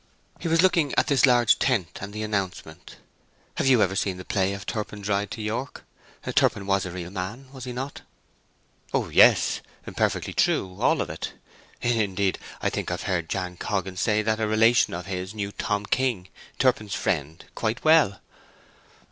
He was looking at this large tent and the announcement. Have you ever seen the play of 'Turpin's Ride to York'? Turpin was a real man, was he not?" "Oh yes, perfectly true—all of it. Indeed, I think I've heard Jan Coggan say that a relation of his knew Tom King, Turpin's friend, quite well."